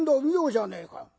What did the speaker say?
見ようじゃねえか。